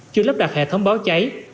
chưa lắp đặt hệ thống báo cháy